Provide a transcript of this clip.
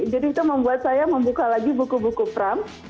jadi itu membuat saya membuka lagi buku buku kupram